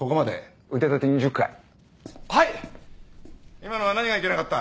今のは何がいけなかった？